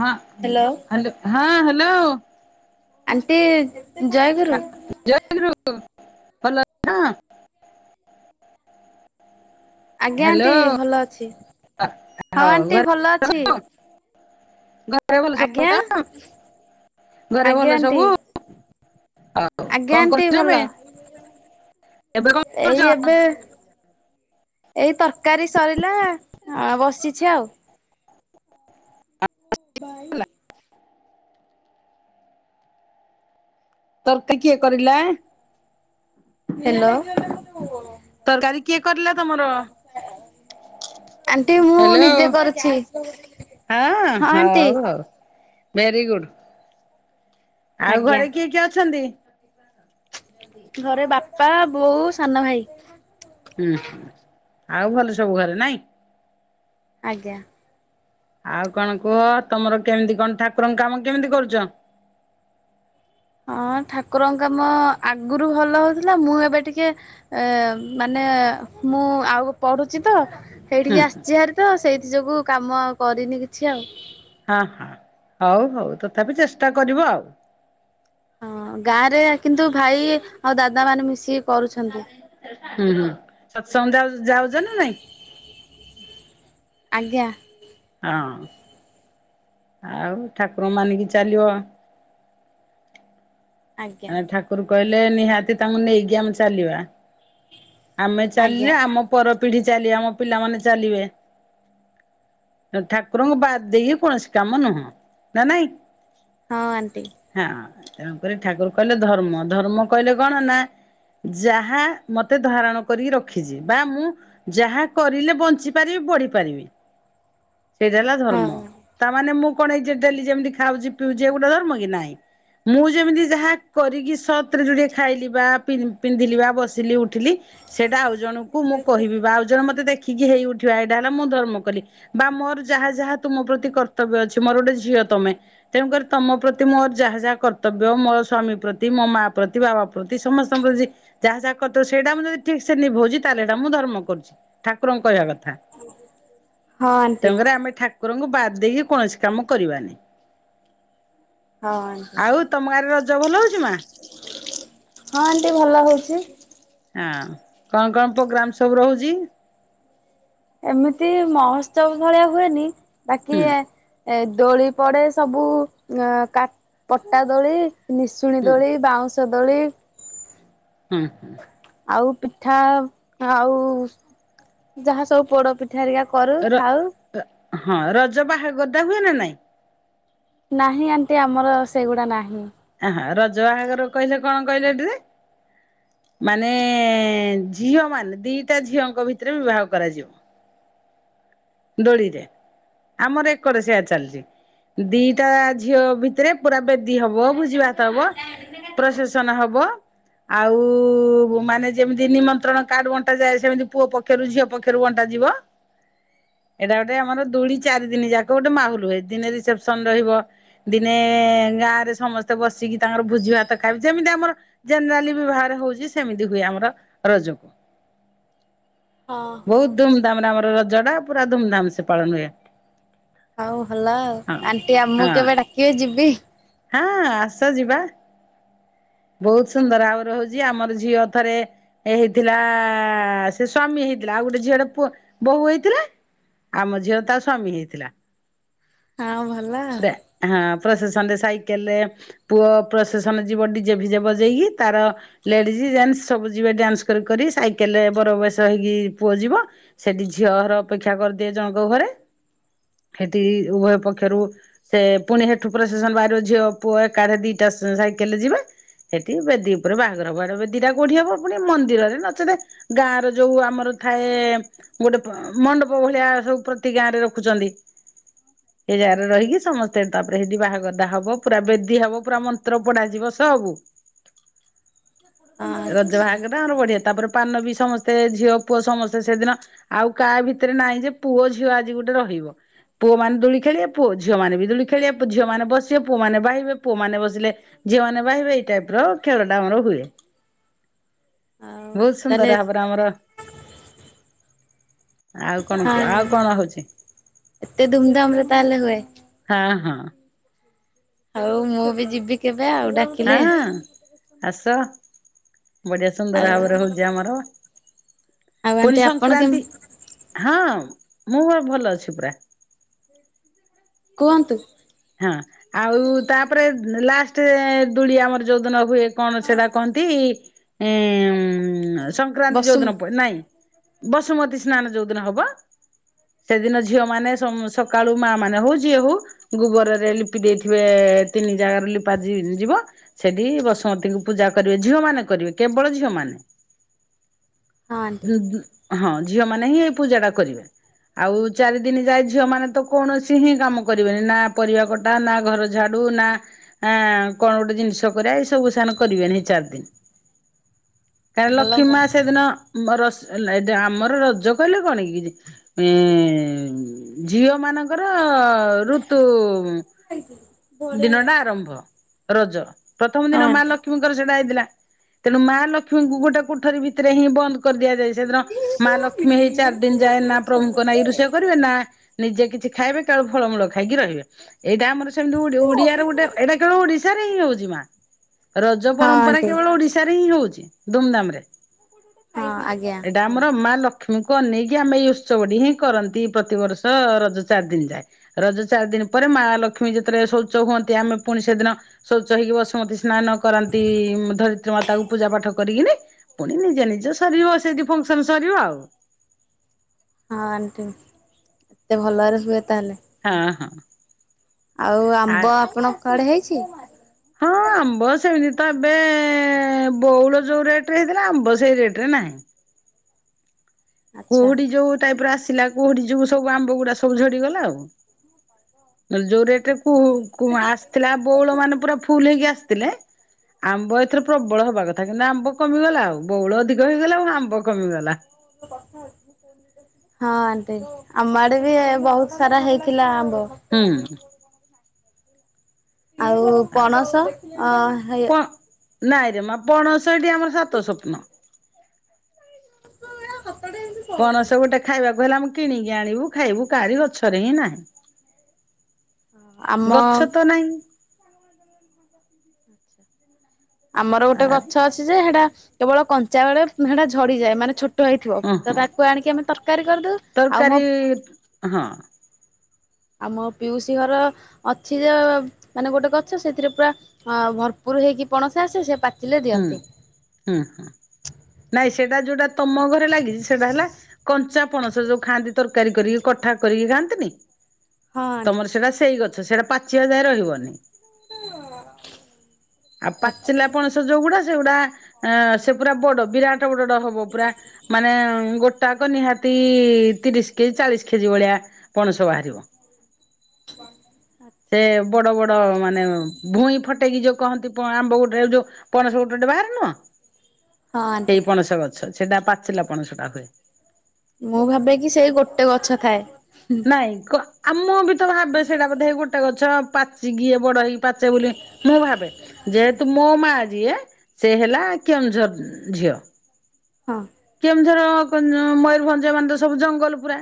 ହଁ hello hello ହଁ hello hello aunty ଜୟଗରୁ ହଲ [unintelligible] ଆଜ୍ଞା ଆଣ୍ଟି ଭଲ ଅଛି ହଁ ହଉ ଆଣ୍ଟି ଘରେ ଭଲ ଅଛି। ଘରେ ଭଲ ସବୁ ଆଜ୍ଞା ତ ଘରେ ଆଜ୍ଞା ଭଲ ଆଣ୍ଟି ସବୁ ଆଉ ଆଜ୍ଞା କଣ ଆଣ୍ଟି ଭଲ। କରୁଛମେ ଏବେ କଣ ଏଇ କରୁଛ? ଏବେ ଏଇ ତରକାରୀ ସରିଲା ବସିଛି ଆଉ। ତର୍କ କିଏ କରିଲା ହ୍ୟାଲୋ ତରକାରୀ କିଏ କରିଲା ତମର ଆଣ୍ଟି ମୁଁ ହେଲୋ ନିଜେ କରିଛି ହଁ ହଉ ଆଣ୍ଟି ଆଉ। ଭେର ଗୁଡ଼୍ ଆଉ ଆଜ୍ଞା। ଘରେ କିଏ କିଏ ଅଛନ୍ତି। ପ୍ରସ [unintelligible] ଘରେ ବାପା ବାପା ବୋଉ ସାନ ଭାଇ ହୁଁ ହୁଁ ଆଉ ଭଲ ସବୁ ଘରେ ନାଇଁ ଆଜ୍ଞା। ଆଉ କଣ କୁହ ତମର କେମିତି କଣ ଠାକୁରଙ୍କ କାମ କେମିତି କରୁଛ। ହଁ ଠାକୁରଙ୍କ କାମ ଆଗରୁ ଭଲ ହଉଥିଲା ମୁଁ ଏବେ ଟିକେ ମାନେ ମୁଁ ଆଉ ପଢୁଛି ତ। ହୁଁ ହୁଁ ସେଇଠିକି ଆସିଛିହାର ତ ସେଇ ନି ଯୋଗୁ କାମ କରିନି କିଛି ଆଉ। ହଁ ହଁ ହଉ ହଉ ତଥାପି ଚେଷ୍ଟା କରିବ ଆଉ। ହଁ ଗାଁ ରେ କିନ୍ତୁ ଭାଇ ଆଉ ଦାଦା ମାନେ ମିଶିକି କରୁଛନ୍ତି। ହୁଁ ହୁଁ ସତ୍ ସଙ୍ଗ୍ ଯାଉ ଯାଉଚ ନା ନାଇଁ। ଆଜ୍ଞା। ହଁ। ଆଉ ଠାକୁର ମାନିକି ଚାଲିବ ଆଜ୍ଞା [unintelligible] ଠାକୁରୁ କହିଲେ ନିହାତି ତାଙ୍କୁ ନେଇକି ଆମେ ଚାଲିବା। ଆମେ ଆଜ୍ଞା ଚାଲିଲେ ଆମ ପର ପିଢ଼ି ଚାଲି ଆମ ପିଲାମାନେ ଚାଲିବେ ଠାକୁରଙ୍କୁ ବାଦ୍ ଦେଇକି କୌଣସି କାମ ନୁହଁ ନା ନାଇଁ। ହଁ ଆଣ୍ଟି। ହଁ ତେଣୁକରି ଠାକୁର କହିଲେ ଧର୍ମ ଧର୍ମ କହିଲେ କଣ ନା ଯାହା ମତ୍ ମତେ ଧାରଣ କରିକି ରଖିଛି ବା ମୁଁ ଯାହା କରିଲେ ବଞ୍ଚି ପାରିବି ବଢି଼ପାରିବି। ସେଇଟା ହେଲା ହଁ। ଧର୍ମ ତାମାନେ ମୁଁ କଣ ହେଇଚି ଡେଲି ଯେମିତି ଖାଉଚି ପିଉଚି ଇଏ ଗୋଟେ ଧର୍ମ କି ନାଇଁ ମୁଁ ଯେମିତି ଯାହା କରିକି ସତ୍ ରେ ଯୁଡ଼ିଏ ଖାଇଲି ବା ପିନ୍ଧିଲି ବା ବସିଲି ଉ ଉଠିଲି ସେଟା ଆଉ ଜଣଙ୍କୁ ମୁଁ କହିବି ବା ଆଉ ଜଣ ମତେ ଦେଖ୍ ଦେଖିକି ହେଇଉଠିବା ଏଇଟା ହେଲା ମୁଁ ଧର୍ମ କଲି ବା ମୋର ଯାହା ଯାହା ତୁମ ପ୍ରତି କର୍ତ୍ତବ୍ୟ ଅଛି ମୋର ଗୋଟେ ଝିଅ ତମେ ତେଣୁକରି ତମ ପ୍ରତି ମୋର ଯାହା ଯାହା କର୍ତ୍ତ କର୍ତ୍ତବ୍ୟ ମୋ ସ୍ଵାମୀ ପ୍ରତି ମୋ ମା ପ୍ରତି ବାବା ପ୍ରତି ସମସ୍ତଙ୍କ ପ୍ରତି ଯାହା ଯାହା କ ସେଇଟା ମୁଁ ଯଦି ଠିକ୍ ସେ ନିଭଉଛି ତାହେଲେ ସେଟା ମୁଁ ଧର୍ମ କରୁଛି ଠାକୁରଙ୍କ କହିବା କଥା ହଁ ଆଣ୍ଟି ତେଣୁ କରି ଆମେ ଠାକୁର ତାଙ୍କୁ ବାଦ୍ ଦେଇକି କୌଣସି କାମ କରିବାନି। ହଁ ଆଣ୍ଟି ଆଉ ତମ ଗାଁରେ ରଜ ଭଲ ହଉଛି ମା। ହଁ ଆଣ୍ଟି ଭଲ ହଉଚି। ହଁ କଣ କଣ‍ ପୋଗ୍ରାମ୍ ସବୁ ରହୁଛି। ଏମିତି ମହୋଉତ୍ସବ ଭଳିଆ ହୁଏନି। ବାକି ହୁଁ ଏ ଦୋଳି ପଡ଼େ ସବୁ କା ପଟା ଦୋଳି। ନିଶୁଣି ଦୋଳି ବାଉଁଶ ସେ ଦୋଳି। ହୁଁ ହୁଁ ଆଉ ପିଠା ଆଉ ଯାହା ସବୁ ପୋଡ଼ ପି ପିଠାରିକା କରୁ ର ଖାଉ। ହଁ ରଜ ବାହାଘର ଦା ହୁଏ ନା ନାଇଁ। ନାହିଁ ଆଣ୍ଟି ଆମର ସେଗୁଡ଼ା ନାହିଁ। ଆହା ରଜ ବାହାଘର କହିଲେ କଣ କହିଲ ଏଠି ହୁଏ ମାନେ ଝିଅ ମାନେ ଦିଟା ଝିଅଙ୍କ ଭିତରେ ବିବାହ କରାଯିବ। ଦୋଳିରେ ଆମର ଏକଡ଼ ସେୟା ଚାଲିଛି ଦିଟା ଝିଅ ଭିତରେ ପୁରା ବେଦୀ ହବ ଭୁଜି ଭାତ ହବ ପ୍ରସେସନ୍ ହବ ଆଉ ମାନେ ଯେମିତି ନିମନ୍ତ୍ରଣ କାର୍ଡ ବଣ୍ଟା ଯାଏ ସେମିତି ପୁଅ ପକ୍ଷରୁ ଝିଅ ପକ୍ଷରୁ ବଣ୍ଟା ଯିବ। ଏଇଟା ଗୋଟେ ଆମର ଦୁଳି ଚାରି ଦିନ ଯାକ ଗୋଟେ ମାହୁଲ ହୁଏ ଦିନେ ରିସେପସନ୍ ରହିବ ଦିନେ ଗାଁ ରେ ସମସ୍ତେ ବସିକି ତାଙ୍କର ଭୁଜି ଭାତ ଖାଇବ ଯେମିତି ଆମର ଜେନେରାଲି ବିବାହରେ ହଉଛି ସେମିତି ହୁଏ। ଆମର ରଜ ରଜକୁ ହଁ ହଁ। ବହୁତ ଧୁମ୍ ଧାମ୍ ରେ ଆମର ରଜ- [unintelligible] ପୁରା ଧୁମ୍ ଧାମ୍ ସେ ପାଳନ ହୁଏ। ହଉ ଭଲ ଆଉ ହଁ। ଆଣ୍ଟି ଆମକୁ ହଁ କେବେ ଡାକିବେ ଯିବି । ହଁ ଆସ ଯିବା ବହୁତ ସୁନ୍ଦର ଭାବରେ ହଉଛି ଆମର ଝିଅ ଥରେ ଏ ହେଇଥିଲା ସେ ସ୍ଵାମୀ ହେଇଥିଲା ଆଉ ଗୋଟେ ଝିଅଟ ବୋହୂ ହେଇଥିଲା ଆମ ଝିଅ ତା ସ୍ଵାମୀ ହେଇଥିଲା। ଆଉ ଭଲ ପ୍ରସେସନ ରେ ସେ ସାଇକେଲ ରେ ପୁଅ ପ୍ରସେସନ ଯିବ ଡିଜେ ଭିଜେ ବଜେଇକି ତାର ଲେଡିଜ ଜେଣ୍ଟ ସବୁ ଯିବେ ଡ୍ୟାନ୍ସ କରି କରି ସାଇକେଲ ରେ ବର ବେସ ହେଇକି ପୁଅ ଯିବ ସେଠି ଝିଅଘର ଅପେକ୍ଷା କରିଦିଏ ଜଣଙ୍କ ଘରେ ସେଠି ଉଭୟ ପକ୍ଷରୁ ସେ ପୁଣିଠୁ ପ୍ରସେସନ ବାହାରି ଝିଅ ପୁଅ ଏକାଠରେ ଦିଟା ସାଇକେଲରେ ଯିବେ ସେଠି ବେଦୀ ଉପରେ ବାହାଘର ହବ ଆଡ ବେଦିଟା କଢି ହବ ପୁଣି ମନ୍ଦିରରେ ନଚେ ଗାଁ ର ଯୋଉ ଆମର ଥାଏ ଗୋଟେ ମଣ୍ଡପ ଭଳିଆ ସବୁ ପ୍ରତି ଗାଁ ରେ ରଖୁଛନ୍ତି। ସେ ଜାଗାରେ ରହିକି ସମସ୍ତେ ତାପରେ ସେଠି ବାହାଘର ଦିନ ଧା ହବ ପୁରା ବେଦି ହବ ପୁରା ମନ୍ତ୍ର ପଢ଼ା ଯିବ ସବୁ। ଆଚ୍ଛା ରଜ ବାହାଘର ଆମର ବଢି଼ଆ ତାପରେ ପାନ ବି ସମସ୍ତେ ଝିଅ ପୁଅ ସମସ୍ତେ ସେଦିନ ଆଉ କାହା ଭିତରେ ନାହିଁ ଯେ ପୁଅ ଝିଅ ଆଜି ଗୋଟେ ରହିବ। ପୁଅ ମାନ ଦୁଳି ଖେଳିବା ପୁଅ ଝିଅ ମାନ ବି ଦୁଳି ଖେଳିବା ଝିଅ ମାନେ ବସିବେ। ପୁଅ ମାନ ବାହିବେ ପୁଅ ମାନ ବସିଲେ ଝିଅ ମାନ ବାହିବେ ଏଇ ଟାଇପ ର ଖେଳ ଟା ଆମର ହୁଏ। ଆଉ ବହୁତ ତାହେଲେ ସୁନ୍ଦର ଭାବରେ ଆମର ଆଉ କଣ କୁହ ହଁ ଆଉ କଣ ହଉଛି। ତାହଲେ ହୁଏ? ହଁ ହଁ ଆଉ ମୁଁ ବି ଯିବି କେବେ ଆଉ ଡାକିଲେ ହଁ ଆସ। ବଢ଼ିଆ ସୁନ୍ଦର ଆଉ ଭାବରେ ହଉଛି ଆମର ଆଉ ପୁଣି ଆଣ୍ଟି ଆପଣ କେମ ସଂକ୍ରନ୍ତି ହଁ ମୁଁ ପା ଭଲ ଅଛି ପୁରା। କୁହନ୍ତୁ? ହଁ ଆଉ ତାପରେ ଲାଷ୍ଟ ଦୂଳି ଆମର ଯୋଉଦିନ ହୁଏ କଣ ସେଟା କହନ୍ତି ଉଁ ହୁଁ ସଂକ୍ରାନ୍ତି ବସୁ ଯୋଉଦିନ ପଡ଼େ ନାଇଁ। ବସୁମତୀ ସ୍ନାନ ଯୋଉ ଦିନ ହବ ସେଦିନ ଝିଅ ମାନେ ସକାଳୁ ମା ମାନେ ହଉ ଯିଏ ହଉ ଗୋବରରେ ଲିପି ଦେଇଥିବେ ତିନି ଜାଗାରେ ଲିପା ଯିବ ସେଠି ବସୁମତୀଙ୍କୁ ପୂଜା କରିବେ ଝିଅ ମାନେ କରିବେ କେବଳ ଝିଅ ମାନେ। ହଁ ଆଣ୍ଟି ଦୁ ଦୁ ହଁ ଝିଅ ମାନ ହିଁ ଏଇ ପୂଜା ଟା କରିବେ ଆଉ ଚାରି ଦିନ ଯାଏ ଝିଅ ମାନେ ତ କୌଣସି ହିଁ କାମ କରିବେନି ନା ନା ପରିବା କଟା ନା ଘର ଝାଡୁ ନା କଣ ଗୋଟେ ଜିନିଷ କରିବା ଏଇ ସବୁ ସାନ କରିବେନି ଚାରି ଦିନି କାଁ ଭଲ ମୁଁ ଲକ୍ଷ୍ୀମା ସେଦିନ ର ହେଲା ଏ ଆମର ରଜ କହିଲେ କଣ କି ଝିଅ ମାନଙ୍କ। ଙ୍କର ଋତ ତୁ ଦିନ ଟା ଆରମ୍ଭ। ରଜ ପ୍ରଥମ ହଁ ଦିନ ମା ଆଣ୍ଟି ଲକ୍ଷ୍ମୀଙ୍କର ସେଟା ହେଇଥିଲା। ତେଣୁ ମା ଲକ୍ଷ୍ମୀଙ୍କୁ ଗୋଟେ କୋଠରୀ ଭିତରେ ହିଁ ବନ୍ଦ। କରିଦିଆଯାଏ ସେଦିନ ମା ଲକ୍ଷ୍ମୀ ହେଇ ଚାରି ଦିନ ଯାଏ ନା ପ୍ରଭୁଙ୍କ ନା ଏଇ ରୋଷେଇ କରିବେ ନା ନିଜେ କିଛି ଖାଇବେ ଫଳମୂଳ ଖାଇକି ରହିବେ ଏଇଟା ଆମର ସେମିତି ଓଡିଆର ଗୋଟେ ଏଇଟା କେବଳ ଓଡିଶାରେ ହିଁ ହଉଛି ମା ରଜ ହଁ ପରମ୍ପରା ଆଣ୍ଟି କେବଳ ଓଡିଶାରେ ହିଁ ହଉଛି ଧୁମଧାମ ରେ ହଁ ଆଜ୍ଞା ଏଇଟା ଆମର ମା ଲକ୍ଷ୍ ଲକ୍ଷ୍ମୀଙ୍କୁ ଅନେଇକି ଆମେ ଏଇ ଉତ୍ସବ ହିଁ କରନ୍ତି ପ୍ରତିବର୍ଷ ରଜ ଚାରି ଦିନ ଯାଏ। ରଜ ଚାରି ଦିନ ପରେ ମା ଲକ୍ଷ୍ମୀ ଯେତେବେଳେ ଶୌଚ ହୁଅନ୍ତି ଆମେ ପୁଣି ସେଦିନ ଶୌଚ ହେଇକି ବସୁମତୀ ସ୍ନାନ କରନ୍ତି ଧରିତ୍ରୀ ମାତା କ ପୂଜା ପାଠ କରିକରି। ପୁଣି ନିଜେ ନିଜେ ସରିବ ସେଠି ଫଙ୍କସନ ସରିବ ଆଉ ହଁ ଆଣ୍ଟି ଏତେ ଭଲରେ ହୁଏ। ତାହେଲେ ହଁ ହଁ ଆଉ ଆ ଆମ୍ବ ଆପଣଙ୍କ କୁଆଡେ ହେଇଛି। ଛି [inaudible] ହଁ ଆମ୍ବ ସେମିତି ତବେ ବଉଳ ଯୋଉ ରେଟରେ ହେଇଥିଲା ଆମ୍ବ ସେଇ ରେଟ ରେ ନାହିଁ। ଆଚ୍ଛା କୁହୁଡି ଯୋଉ ତାପରେ ଆସ ଥିଲା କୁହୁଡି ଯୋଗୁ ସବୁ ଆମ୍ବ ଗୁଡା ଝଡି ଗଲା ନହେଲେ ଯୋଉ ଏ ଆସିଥିଲା ବଉଳ ମାନେ ପୁରା ଫୁଲ ହେଇକି ଆସିଥିଲେ। ଆମ୍ବ ଏଥର ପ୍ରବଳ ହବା କଥା କିନ୍ତୁ ଆମ୍ବ କମିଗଲା ଆଉ ବଉଳ ଅଧିକ ହେଇଗଲା ଆଉ ଆମ୍ବ କମିଗଲା। ହଁ ଆଣ୍ଟି ଆମ ଆଡେ ବି ବହୁତ ସାରା ହେଇଥିଲା ଆ ମତେ ଆନେଇକି ହୁଁ ଗୋଟେ କଣ [inaudible] ଆଉ ପଣସ ଅ ହେ ନାଇଁରେ ମା ପଣସ ସେଇଟି ଆମର ସାତ ସ୍ୱପ୍ନ । [unintelligible] ପଣସ ଗୋଟେ ଖାଇବାକୁ ହେଲେ ଆମ କିଣିକି ଆଣିବୁ ଖାଇବୁ କାହାରି ଗଛରେ ହିଁ ନାହିଁ। ଆମ ଗଛ ତ ନହିଁ। ଆମର ଗୋଟେ ଗଛ ହଁ ଅଛି ଯେ ସେଟା କେବଳ କଞ୍ଚା ବେଳେ ସେଟା ଝଡିଯାଏ ମାନେ ଛୋ ଟ ହେଇଥିବ ତ ହଁ ତାକୁ ଆଣିକି ଆମେ ତରକାରୀ କରିଦଉ ଆଉ ମୋ ତରକାରୀ ହଁ ଆମ ପିଉସି ଘର ଅଛି ଯେ ମାନେ ଗୋଟେ ଗଛ ସେଥିରେ ପୁରା ଆ ଭରପୁର ହେଇକି ପଣସ ଆସେ ସେ ପା ହୁଁ ହୁଁ ହୁଁ ନାଇଁ ସେଟା ଯୋଉଟା ତମ ଗ ଲଗିଛି ସେଟା ହେଲା କଞ୍ଚା ପଣସ ଯୋଉ ଖାଆନ୍ତି ତରକାରୀ କରିକି କଠା କରିକି ଖାଆନ୍ତିନି ହଁ ଆଣ୍ଟି। ତମର ସେଟା ସେଇ ଗ ସେ ସେଟା ପାଚିବା ଯାଏ ରହିବନି । [unintelligible] ଆଉ ହଁ ପାଚିଲା ପଣସ ଯୋଉଗୁଡା ସେଗୁଡା ଆଁ ସେ ପୁରା ବଡ ବିରାଟ ବଡ ଟେ ହବ ପୁରା ମାନେ ଗୋଟାକ ନିହାତି ତିରିଶ କେଜି ଚାଳିଶି କେଜି ଭଳିଆ ପଣସ ବାହାରିବ । ସେ ବଡ ବଡ ମାନେ ଭୂଇଁ ଫଟେଇକି ଯୋଉ କହନ୍ତି ପ ଆମ୍ବ ଗୋଟେ ଯୋଉ ପଣସ ଗୋଟେ ଗୋଟେ ବାହାରେ ନୁହଁ । ଆଣ୍ଟି ସେଇ ପଣସ ଗଛ ସେଟା ପାଚିଲା ପଣସ ଟା ହୁଏ । ମୁଁ ଭାବେ କି ସେଇ ଗୋଟେ ଗଛ ଥାଏ । ନାଇଁ କ ଆମ ବି ତ ଭାବେ ସେଇଟା ବୋଧେ ଗୋଟେ ଗଛ । ପାଚିକି ଇଏ ବଡ ହେଇ ପାଚେ ବୋଲି ମୁଁ ଭାବେ ଯେହେତୁ ମୋ ମା ଯିଏ [unintelligible] ସେ ହେଲା କେଉଁଝର ଝିଅ। ହଁ। କେଉଁଝର ଉମ୍ ମୟୂରଭଞ୍ଜ ମାନେ ତ ସବୁ ଜଙ୍ଗଲ ପୁରା।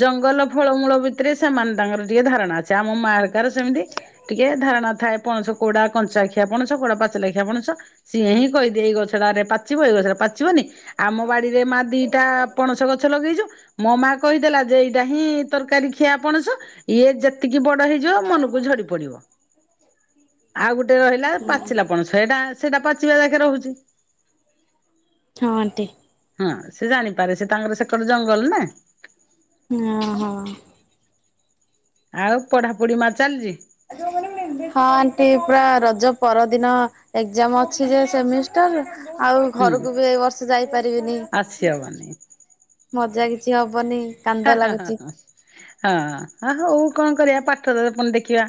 ଜଙ୍ଗଲ ଫଳମୂଳ ଭିତରେ ସେମାନେ ତାଙ୍କର ଟିକେ ଧାରଣା ଅଛି। ଆମ ମା ର କାର ସେମିତି ଟିକେ ଧାରଣା ଥାଏ। ପଣସ କୋଉଗୁଡା କଞ୍ଚାଖିଆ ପଣସ କୋଉଗୁଡା ପାଚଲାଖିଆ ପଣସ ସିଏ ହିଁ କହିଦିଏ। ଏଇ ଗଛଟାରେ ପାଚିବ, ଏଇ ଗଛା ପାଚି ପାଚିବନି। ଆମ ବାଡିରେ ମା ଦିଟା ପଣସ ଗଛ ଲଗେଇଛୁ। ମୋ ମା କହିଦେଲା ଯେ ଏଇଟା ହିଁ ତରକାରୀ ଖିଆ ପଣସ। ଇଏ ଯେତିକି କି ବଡ ହେଇଯିବ ମନକୁ ଝଡି ପଡିବ। ଆଉ ଗୋଟେ ରହିଲା ପାଚିଲା ପଣସ। [unintelligible] ସେଇଟା ସେଇଟା ପାଚିବା ଯାକେ ରହୁଛି। ହଁ ଆଣ୍ଟି। ହଁ ସେ ଜାଣିପାରେ ସେ ତାଙ୍କର ସେକଡ ଜଙ୍ଗଲ ନା! ଆ ହଁ। [unintelligible] ଆଉ ପଢାପଢି ମା ଚାଲିଛି? ହଁ ଆଣ୍ଟି। ପୁରା ରଜ ପରଦିନ ଏଗଜାମ୍ ଅଛି ଯେ ସେ ମିଷ୍ଟାର? ଆଉ ହୁଁ ଘରକୁ ବି ଏ ବର୍ଷ ଯାଇପାରିବିନି। ଆସିହବନି ମଜା କିଛି [unintelligible] କିଛି ହବନି। କାନ୍ଦ ହା ହା ହା ଲାଗୁଚି ହା। ହଁ। ହଁ ହୋଉ। କଣ କରିବା ପାଠରେ ତ ପୁଣି ଦେଖିବା।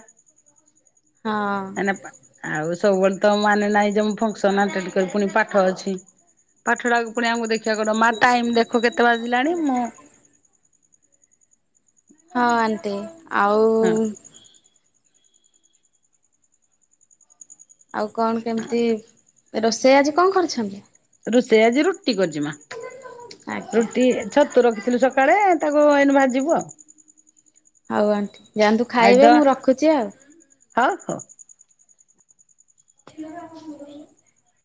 ହଁ। ହେଇନା ପା ଆଉ। ସବୁବେଳେ ତ ମାନେ ନାହିଁ ଯେ ମୁଁ ଫଙ୍କସନ ଆଟେଣ୍ଟ କରିବି। ପୁଣି ପାଠ ଅଛି। ପାଠ ଟାକୁ ପୁଣି ଆମକୁ ଦେଖି [unintelligible] କର। ମା ଟାଇମ୍ ଦେଖ କେତେ ବାଜିଲାଣି? ମୁଁ ହଁ ଆଣ୍ଟି। ଆଉ। ହଁ ଆଉ କଣ କେମିତି? ରୋଷେଇ ଆଜି କଣ କରିଛନ୍ତି? ରୋଷେଇ ଆଜି ରୁ ଟି କରିଚି ମା। ଆଜ୍ଞା ରୁଟି ଛତୁ ରଖିଥିଲୁ ସକାଳେ। ତାକୁ ଏଇନେ ଭାଜିବୁ ଆଉ। ହଉ ଆଣ୍ଟି ଯାଆନ୍ତୁ, ଆଜି ତ ଖାଇବେ ମୁଁ ରଖୁଛି ଆଉ। ହଉ ହଉ [unintelligible]